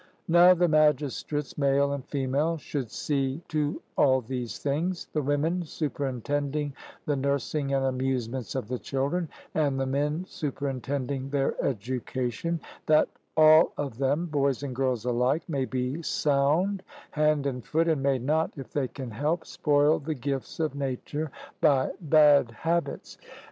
Now, the magistrates, male and female, should see to all these things, the women superintending the nursing and amusements of the children, and the men superintending their education, that all of them, boys and girls alike, may be sound hand and foot, and may not, if they can help, spoil the gifts of nature by bad habits.